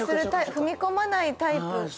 踏み込まないタイプ。